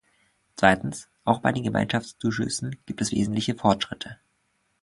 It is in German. Zweitens, auch bei den Gemeinschaftszuschüssen gibt es wesentliche Fortschritte.